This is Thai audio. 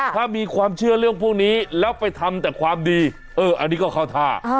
ถ้ามีความเชื่อเรื่องพวกนี้แล้วไปทำแต่ความดีเอออันนี้ก็เข้าท่า